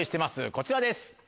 こちらです。